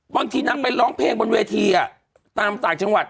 บางทีนางไปร้องเพลงบนเวทีตามต่างจังหวัด